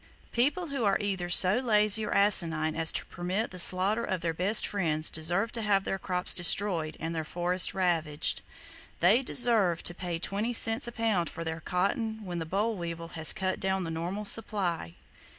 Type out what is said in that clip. People who are either so lazy or asinine as to permit the slaughter of their best [Page 54] friends deserve to have their crops destroyed and their forests ravaged. They deserve to pay twenty cents a pound for their cotton when the boll weevil has cut down the normal supply.